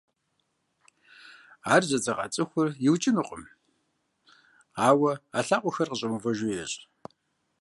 Ар зэдзэкъа цIыхур иукIынукъым, ауэ и лъакъуэхэр къыщIэмыувэжу ещI.